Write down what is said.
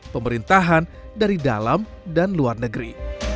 pemerintahan dari dalam dan luar negeri